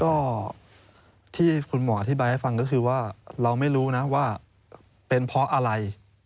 ก็ที่คุณหมออธิบายให้ฟังก็คือว่าเราไม่รู้นะว่าเป็นเพราะอะไร